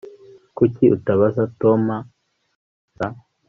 Kuki utabaza Tom gusa